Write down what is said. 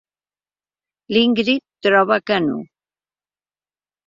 L'Ingrid troba que no.